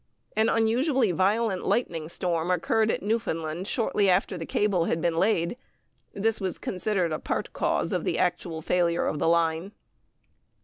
An unusually violent lightning storm occurred at Newfoundland shortly after the cable had been laid. This was considered a part cause of the actual failure of the line.